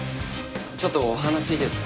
ちょっとお話いいですか？